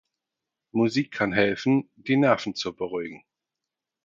Musik kann helfen, die Nerven zu beruhigen